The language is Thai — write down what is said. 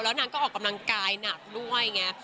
แล้วนางก็ออกกำลังกายหนักด้วย